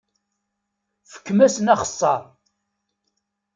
Fkem-asen axeṣṣar.